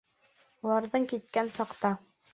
Уларҙың киткән саҡта: